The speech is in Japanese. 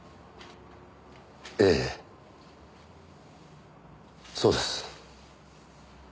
ええそうです。